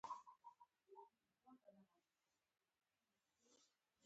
مشترک دښمن وبولي.